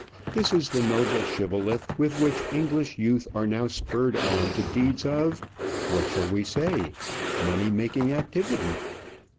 This is the noble shibboleth with which the English youth are now spurred on to deeds of what shall we say? money making activity.